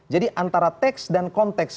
jadi antara teks dan konteks